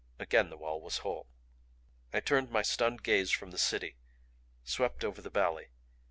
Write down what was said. Again the wall was whole. I turned my stunned gaze from the City swept over the valley.